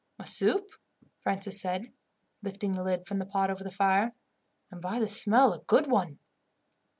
"A soup," Francis said, lifting the lid from the pot over the fire, "and, by the smell, a good one."